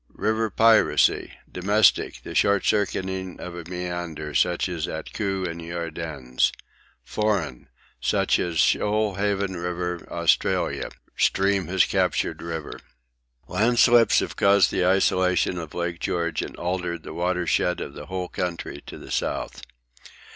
River piracy Domestic, the short circuiting of a meander, such as at Coo in the Ardennes; Foreign, such as Shoalhaven River, Australia stream has captured river. Landslips have caused the isolation of Lake George and altered the watershed of the whole country to the south.